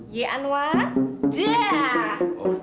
ye anwar dah